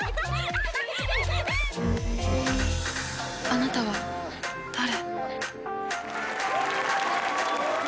「あなたは誰？」。